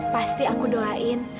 pasti aku doain